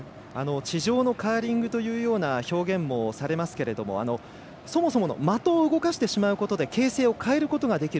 地上のカーリングというような表現もされますけれどもそもそもの的を動かすことで形勢を変えることができる。